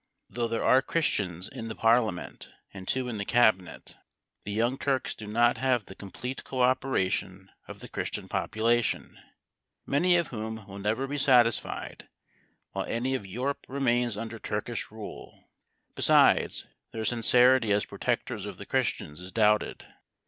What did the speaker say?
Though there are Christians in the Parliament and two in the cabinet, the Young Turks do not have the complete co operation of the Christian population, many of whom will never be satisfied while any of Europe remains under Turkish rule. Besides, their sincerity as protectors of the Christians is doubted.